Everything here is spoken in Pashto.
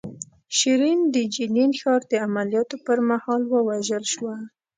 شیرین د جنین ښار د عملیاتو پر مهال ووژل شوه.